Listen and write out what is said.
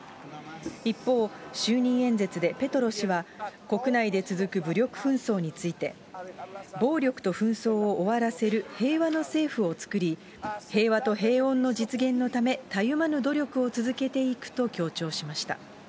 一方、就任演説でペトロ氏は国内で続く武力紛争について、暴力と紛争を終わらせる平和の政府を作り、平和と平穏の実現のため、たゆまぬ努力を続けていくと強調しました。